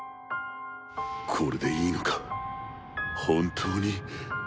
これでいいのか本当に。